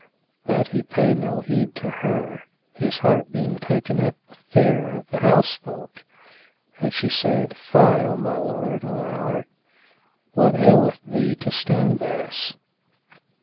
But he paid no heed to her, his heart being taken up with fear of the house folk; and she said, "Fie, O my lord, O my heart! What aileth thee to stand thus?"